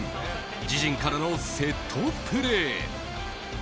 自陣からのセットプレー。